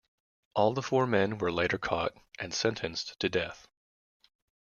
All the four men were later caught and sentenced to death.